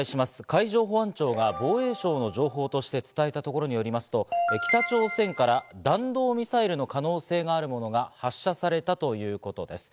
海上保安庁が防衛省の情報として伝えたところによりますと、北朝鮮から弾道ミサイルの可能性があるものが発射されたということです。